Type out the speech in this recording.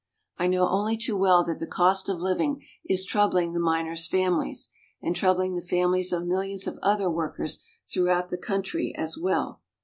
I know only too well that the cost of living is troubling the miners' families, and troubling the families of millions of other workers throughout the country as well.